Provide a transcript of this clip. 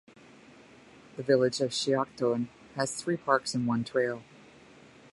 The village of Shiocton has three parks and one trail.